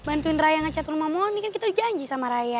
bantuin raya ngecat rumah mohon ini kan kita janji sama raya